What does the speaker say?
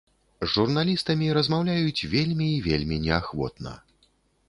З журналістамі размаўляюць вельмі і вельмі неахвотна.